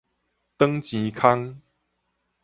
轉錢空